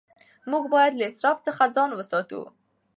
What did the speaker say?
موږ باید له اسراف څخه ځان وساتو.